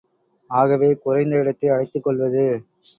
ஆகவே குறைந்த இடத்தை அடைத்துக் கொள்வது.